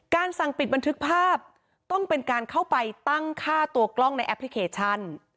สั่งปิดบันทึกภาพต้องเป็นการเข้าไปตั้งค่าตัวกล้องในแอปพลิเคชัน